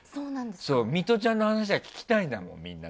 ミトちゃんの話が聞きたいんだもん、みんな。